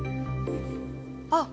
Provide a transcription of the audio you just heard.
あっ！